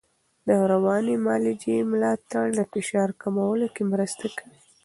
د رواني معالجې ملاتړ د فشار کمولو کې مرسته کوي.